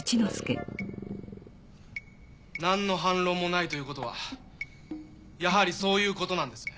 何の反論もないということはやはりそういうことなんですね。